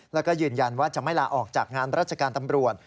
แล้วก็ยืนยันว่าจะไม่ลาออกจากงานราชการตำรวจ